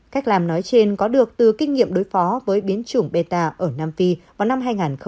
cách làm nói trên có được từ kinh nghiệm đối phó với biến chủng meta ở nam phi vào năm hai nghìn một mươi